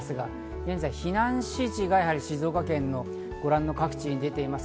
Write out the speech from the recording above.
現在、避難指示が静岡県のご覧の各地で出ています。